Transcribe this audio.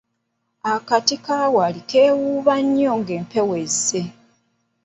Akati kawali kewuuba nnyo nga empewo ezze.